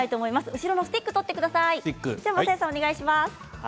後ろのスティックを取ってください。